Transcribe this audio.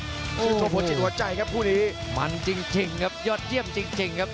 ชื่นชมผลจิตหัวใจครับผู้นี้มันจริงจริงครับยอดเยี่ยมจริงจริงครับ